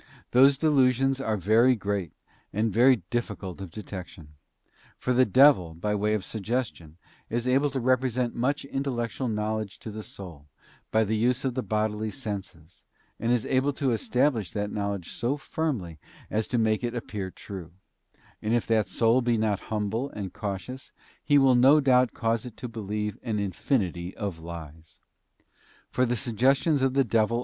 Those delusions are very great and very difficult of detection ; for the devil, by way of suggestion, is able to represent much intellectual knowledge to the soul, by the use of the bodily senses, and is able to establish that know ledge so firmly as to make it appear true; and if that soul be not humble and cautious, he will no doubt cause it to believe * 4 Kings y. 26. + Ib. vi. 11, 12. it